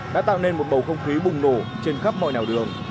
đã tạo nên một bầu không khí bùng nổ trên khắp mọi nẻo đường